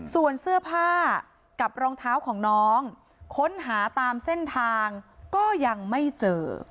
ส่วนเสื้อผ้ากับรองเท้าของน้องค้นหาตามเส้นทางก็ยังไม่เจอ